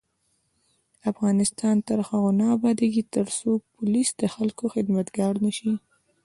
افغانستان تر هغو نه ابادیږي، ترڅو پولیس د خلکو خدمتګار نشي.